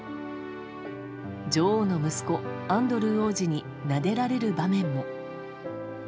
女王の息子、アンドルー王子になでられる場面も。